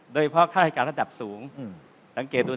โดยเพราะค่าใช้การระดับสูง